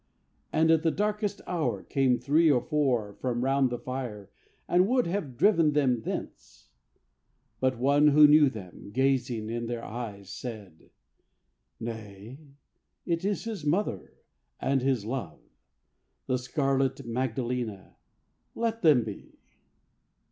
And at the darkest hour came three or four From round the fire and would have driven them thence; But one who knew them, gazing in their eyes, Said: "Nay. It is his mother and his love, The scarlet Magdalena. Let them be."